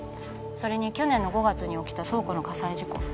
それに去年の５月に起きた倉庫の火災事故